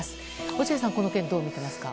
落合さん、この件どう見ていますか。